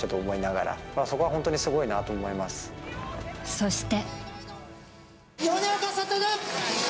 そして。